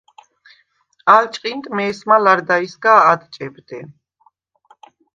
ალ ჭყინტ მეს̄მა ლარდაისგა ადჭებდე.